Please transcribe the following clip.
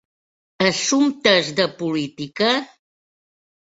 Assumptes de política?